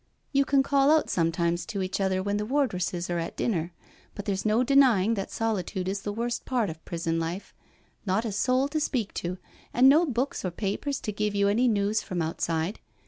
" You can call out sometimes to each other when the wardresses are at dinner. But there's no denying that solitude is the worst part of prison life. Not a soul to speak to, and no books or papers to give you any news from outside.